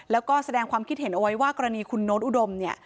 แล้วก็แสดงความคิดเห็นเอาไว้ว่ากรณีคุณโน้ตอุดมเนี่ย